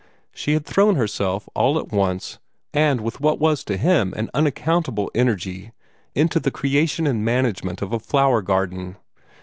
She had thrown herself, all at once, and with what was to him an unaccountable energy, into the creation and management of a flower garden.